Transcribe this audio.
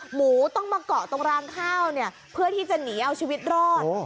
หมูต้องมาเกาะตรงรางข้าวเนี่ยเพื่อที่จะหนีเอาชีวิตรอด